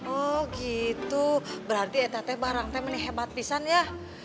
oh gitu berarti kita berdua memang hebat bisa ya